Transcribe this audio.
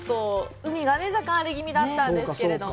海が若干荒れぎみだったんですけれども。